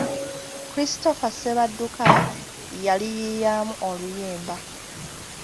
Christopher Ssebadduka yaliyiiyamu oluyimba.